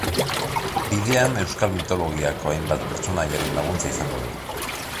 Bidean, euskal mitologiako hainbat pertsonaiaren laguntza izango du.